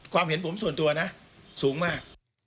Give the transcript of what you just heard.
เห็นผมส่วนตัวนะสูงมาก